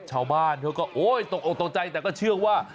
ชาวบ้านเขาก็โอ๊ยตกออกตกใจแต่ก็เชื่อว่า